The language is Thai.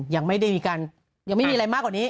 อย่างไม่ดีที่กันยังไม่มีอะไรมากกว่านี้